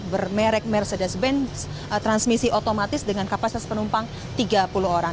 bermerek mercedes benz transmisi otomatis dengan kapasitas penumpang tiga puluh orang